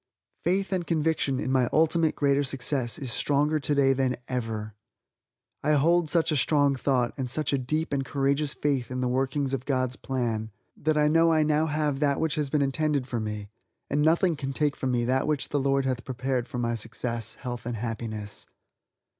Faith and conviction in my ultimate greater success is stronger today than ever! I hold such a strong thought, and such a deep and courageous faith in the workings of God's plan, that I know I now have that which has been intended for me, and nothing can take from me that which the Lord hath prepared for my success, health and happiness.